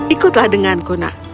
ikutlah denganku nak